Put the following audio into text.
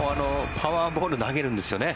パワーボール投げるんですよね。